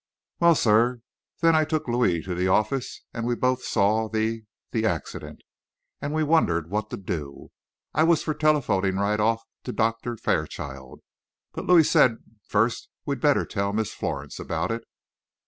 "Well, sir, then I took Louis to the office, and we both saw the the accident, and we wondered what to do. I was for telephoning right off to Doctor Fairchild, but Louis said first we'd better tell Miss Florence about it."